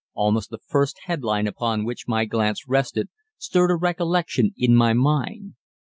Almost the first headline upon which my glance rested stirred a recollection in my mind.